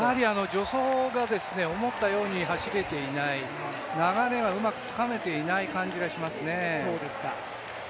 助走が思ったように走れていない、流れがうまくつかめていない感じがしますね。